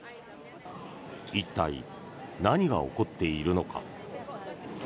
一体、何が起こっているのか。